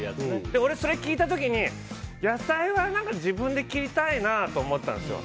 俺、それを聞いた時に野菜は自分で切りたいなと思ったんですよ。